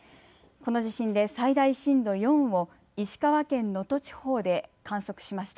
この地震で最大震度４を石川県能登地方で観測しました。